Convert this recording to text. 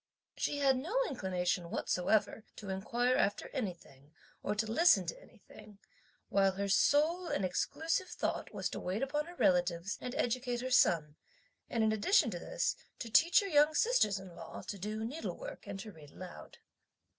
She had no inclination whatsoever to inquire after anything or to listen to anything; while her sole and exclusive thought was to wait upon her relatives and educate her son; and, in addition to this, to teach her young sisters in law to do needlework and to read aloud.